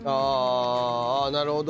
なるほど。